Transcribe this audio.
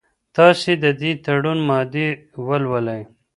تاسي د دې تړون مادې ولولئ.